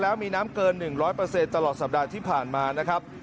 แล้วมีน้ำเกิน๑๐๐ตลอดสัปดาห์ที่ผ่านมานะครับ